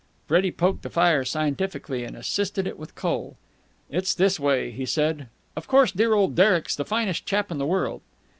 Freddie poked the fire scientifically, and assisted it with coal. "It's this way," he said. "Of course, dear old Derek's the finest chap in the world."